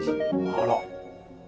あら。